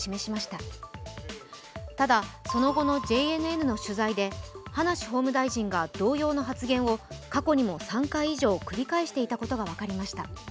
ただ、その後のＪＮＮの取材で葉梨法務大臣が同様の発言を過去にも３回以上、繰り返していたことが分かりました。